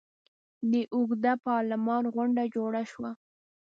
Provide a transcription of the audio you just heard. د اوږده پارلمان غونډه جوړه شوه.